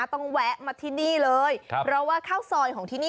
แวะมาที่นี่เลยครับเพราะว่าข้าวซอยของที่นี่